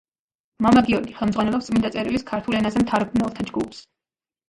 მამა გიორგი ხელმძღვანელობს წმიდა წერილის ქართულ ენაზე მთარგმნელთა ჯგუფს.